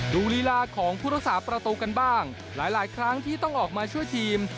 ลีลาของผู้รักษาประตูกันบ้างหลายครั้งที่ต้องออกมาช่วยทีม